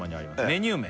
メニュー名